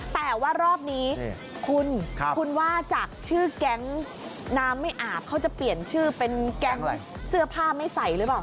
แต่ว่ารอบนี้คุณคุณว่าจากชื่อแก๊งน้ำไม่อาบเขาจะเปลี่ยนชื่อเป็นแก๊งเสื้อผ้าไม่ใส่หรือเปล่า